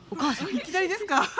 いきなりですか？